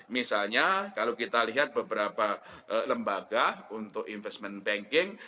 misalnya kalau kita lihat beberapa lembaga untuk investment banking